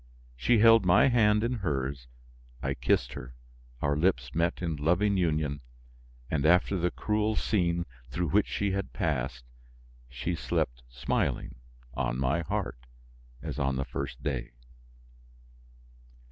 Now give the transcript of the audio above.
She held my hand in hers; I kissed her; our lips met in loving union, and after the cruel scene through which she had passed, she slept smiling on my heart as on the first day.